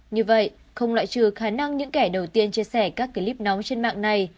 như vậy không loại trừ khả năng những kẻ đầu tiên chia sẻ các clip nóng trên mạng này